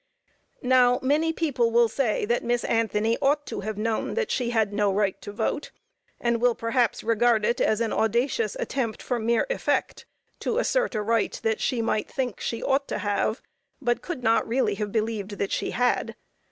Now, many people will say that Miss Anthony ought to have known that she had no right to vote, and will perhaps regard it as an audacious attempt for mere effect, to assert a right that she might think she ought to have, but could not really have believed that she had.